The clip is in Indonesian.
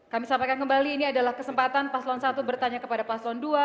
kami sampaikan kembali ini adalah kesempatan paslon satu bertanya kepada paslon dua